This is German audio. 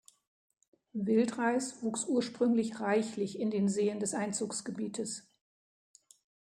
Wildreis wuchs ursprünglich reichlich in den Seen des Einzugsgebietes.